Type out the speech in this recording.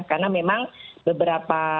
karena memang beberapa